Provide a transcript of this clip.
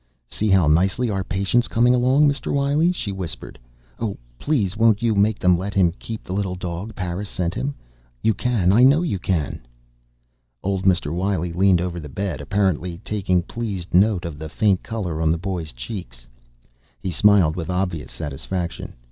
"See how nicely our patient's coming along, Mr. Wiley," she whispered. "Oh, please, won't you make them let him keep the little dog Doctor Parris sent him? You can. I know you can." Old Mr. Wiley leaned over the bed, apparently taking pleased note of the faint color on the boy's cheeks. He smiled with obvious satisfaction.